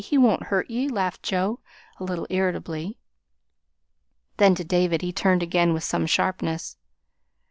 He won't hurt ye," laughed Joe, a little irritably. Then to David he turned again with some sharpness.